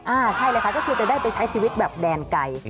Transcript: ใช่เลยค่ะก็คือจะได้ไปใช้ชีวิตแบบแดนไกล